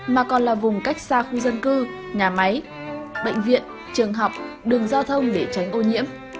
mà còn là vùng cách xa khu dân cư nhà máy bệnh viện trường học đường giao thông để tránh ô nhiễm